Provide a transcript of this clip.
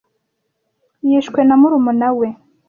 Yishwe na murumuna we.